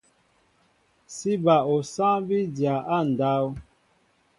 Sí bal osááŋ bí dya á ndáw.